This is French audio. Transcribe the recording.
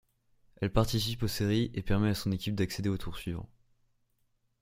Elle participe aux séries et permet à son équipe d'accéder au tour suivant.